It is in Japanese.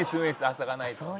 麻がないと。